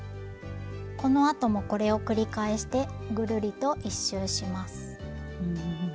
このあともこれを繰り返してぐるりと一周します。